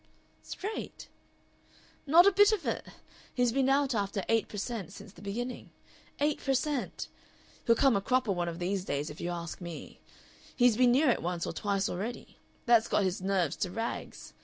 "Straight?" "Not a bit of it! He's been out after eight per cent. since the beginning. Eight per cent.! He'll come a cropper one of these days, if you ask me. He's been near it once or twice already. That's got his nerves to rags.